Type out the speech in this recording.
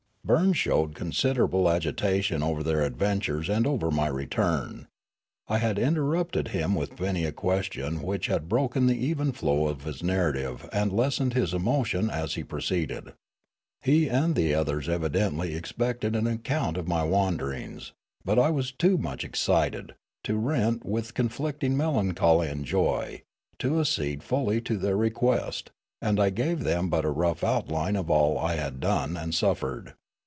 Burns showed considerable agitation over their ad ventures and over my return. I had interrupted him with many a question which had broken the even flow of his narrative and lessened his emotion as he pro ceeded. He and the others evidently expected an ac count of my wanderings ; but I was too much excited, too rent with conflicting melanchoh' and J03 , to accede fully to their request ; and I gave them but a rough outline of all I had done and suffered.